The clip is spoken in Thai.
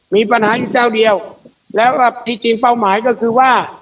มีปัญหาอยู่เจ้าเดียวแล้วก็ที่จริงเป้าหมายก็คือว่า